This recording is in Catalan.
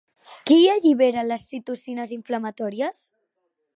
Qui allibera les citocines inflamatòries?